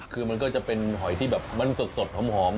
คือมันก็จะเป็นหอยที่แบบมันสดหอม